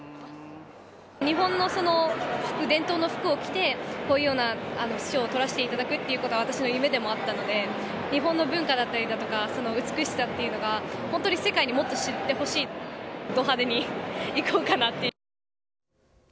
日本の服、伝統の服を着て、こういうような賞を取らせていただくというのが私の夢でもあったので、日本の文化だったりだとか、その美しさっていうのが本当に世界にもっと知ってほしい、ド派手にいこうかなっていう。